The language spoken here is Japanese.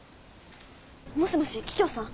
もしもし桔梗さん？